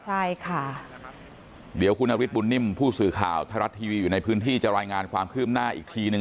ใช่ค่ะเดี๋ยวคุณนฤทธบุญนิ่มผู้สื่อข่าวไทยรัฐทีวีอยู่ในพื้นที่จะรายงานความคืบหน้าอีกทีนึง